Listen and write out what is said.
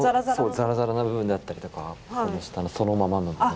ザラザラな部分であったりとかこの下のそのままの部分。